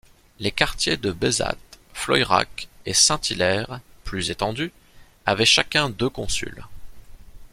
Les quartiers de Besat, Floyrac et Saint-Hilaire, plus étendus, avaient chacun deux consuls.